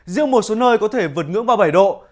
riêng một số nơi có thể vượt ngưỡng ba mươi bảy độ